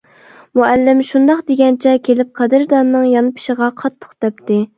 مۇئەللىم شۇنداق دېگەنچە كېلىپ قەدىرداننىڭ يانپېشىغا قاتتىق تەپتى.